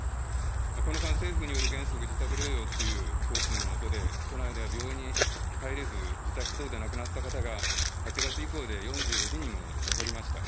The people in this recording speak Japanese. この間、政府による原則自宅療養っていう方針の下で、都内では病院に入れず、自宅等で亡くなった方が８月以降で４５人にも上りました。